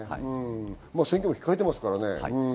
選挙も控えてますからね。